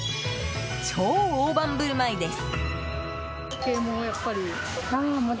超大盤振る舞いです。